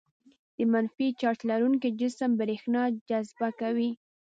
د منفي چارج لرونکي جسم برېښنا جذبه کوي.